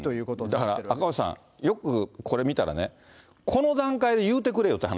だから赤星さん、よくこれ見たらね、この段階で言うてくれよ